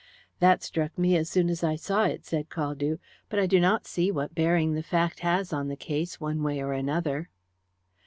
"That struck me as soon as I saw it," said Caldew. "But I do not see what bearing the fact has on the case, one way or another."